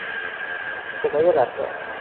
صدای رسا